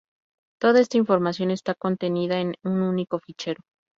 Toda esta información está contenida en un único fichero.